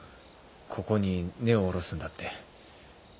ここに根を下ろすんだって。